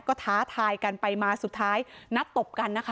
ก็ท้าทายกันไปมาสุดท้ายนัดตบกันนะคะ